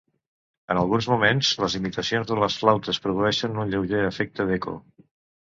En alguns moments, les imitacions de les flautes produeixen un lleuger efecte d'eco.